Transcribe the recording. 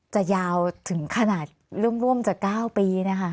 จะยาวถึงขนาดร่วมจะ๙ปีนะคะ